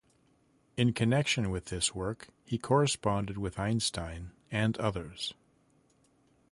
In connection with this work, he corresponded with Einstein and others.